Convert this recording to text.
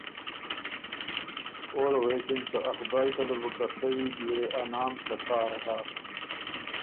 اول غوېکِن که ”ا خدایٛ ده له بُو که ڒوی، بيې وې ا نام ستار هۀ“